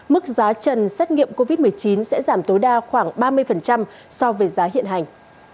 mức giá trần xét nghiệm covid một mươi chín sẽ giảm tối đa khoảng ba mươi so với giá hiện hành